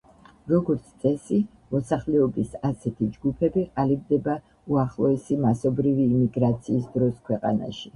როგორც წესი, მოსახლეობის ასეთი ჯგუფები ყალიბდება უახლოესი მასობრივი იმიგრაციის დროს ქვეყანაში.